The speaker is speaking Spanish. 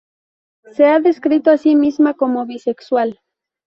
Se ha descrito a sí misma como bisexual.